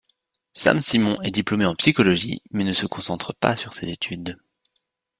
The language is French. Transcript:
Sam Simon est diplômé en psychologie, mais ne se concentre pas sur ses études.